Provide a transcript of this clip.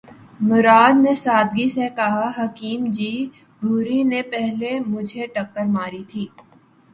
مراد نے سادگی سے کہا:”حکیم جی! بھوری نے پہلے مجھے ٹکر ماری تھی۔